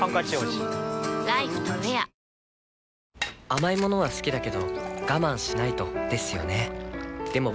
甘い物は好きだけど我慢しないとですよね